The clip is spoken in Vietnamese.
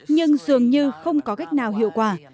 nhưng dường như không có cách nào hiệu quả